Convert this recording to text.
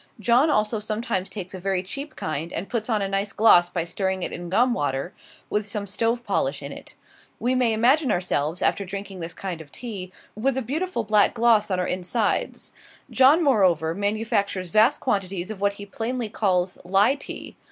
John also sometimes takes a very cheap kind, and puts on a nice gloss by stirring it in gum water, with some stove polish in it. We may imagine ourselves, after drinking this kind of tea, with a beautiful black gloss on our insides. John moreover, manufactures vast quantities of what he plainly calls "Lie tea."